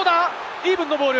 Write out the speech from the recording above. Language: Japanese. イーブンのボール。